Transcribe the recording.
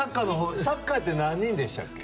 サッカーって何人でしたっけ？